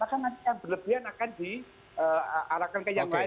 maka nanti yang berlebihan akan diarahkan ke yang lain